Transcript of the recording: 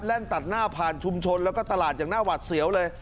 ตัดหน้าผ่านชุมชนแล้วก็ตลาดอย่างหน้าหวัดเสียวเลย